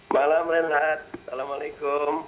malam renat assalamualaikum